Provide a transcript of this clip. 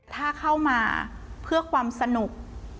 ถ้าเข้ามาเพื่อความสนุก